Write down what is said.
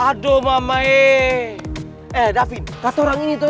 padahal kan gua udah sayang sama rara